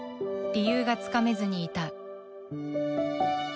理由がつかめずにいた。